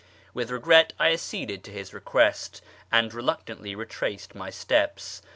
With regret I acceded to his request, and reluctantly retraced my steps.